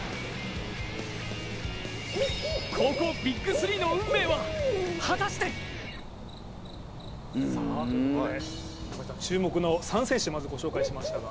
高校ＢＩＧ３の運命は果たして注目の３選手、まずご紹介しましたが。